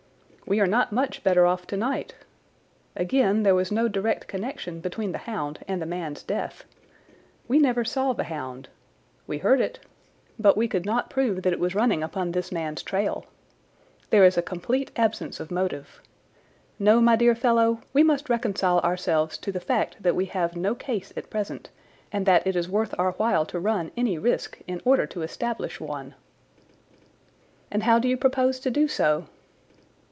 "We are not much better off tonight. Again, there was no direct connection between the hound and the man's death. We never saw the hound. We heard it, but we could not prove that it was running upon this man's trail. There is a complete absence of motive. No, my dear fellow; we must reconcile ourselves to the fact that we have no case at present, and that it is worth our while to run any risk in order to establish one." "And how do you propose to do so?"